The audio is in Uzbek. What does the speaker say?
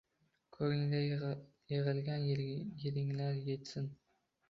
Ko’nglida yig’ilgan yiringlar yitsin.